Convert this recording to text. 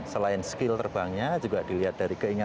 selain skill terbangnya juga dilihat dari keinginan